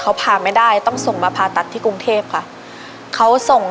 เขาพาไม่ได้ต้องส่งมาผ่าตัดที่กรุงเทพค่ะเขาส่ง